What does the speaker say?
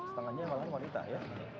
setengahnya malah wanita ya